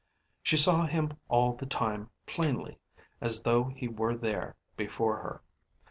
She saw him all the time plainly, as though he were there before her.